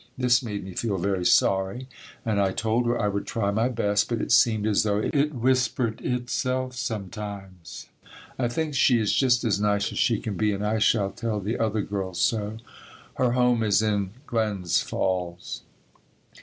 This made me feel very sorry and I told her I would try my best, but it seemed as though it whispered itself sometimes. I think she is just as nice as she can be and I shall tell the other girls so. Her home is in Glens Falls.